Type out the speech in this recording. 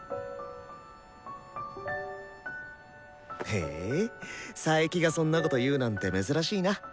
へえ佐伯がそんなこと言うなんて珍しいな。